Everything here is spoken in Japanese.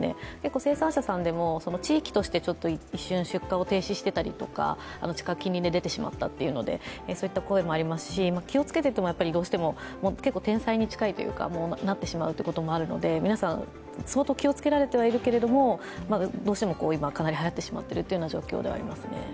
生産者さんでも地域として一瞬出荷を停止していたりとか、そういった声もありますし、気を付けていてもどうしても天災に近いとなってしまうということもあるので皆さん、相当気をつけられてはいるけれども、どうしてもかなりはやってしまっているという状況ではありますね。